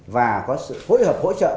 và có sự phối hợp hỗ trợ